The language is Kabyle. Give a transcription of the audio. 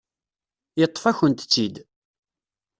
Yeṭṭef-akent-tt-id.